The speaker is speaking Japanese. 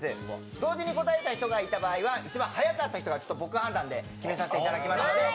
同時に答えた人がいる場合は一番早かった人を僕の判断で決めさせていただきます。